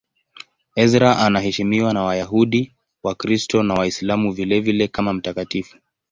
Ezra anaheshimiwa na Wayahudi, Wakristo na Waislamu vilevile kama mtakatifu.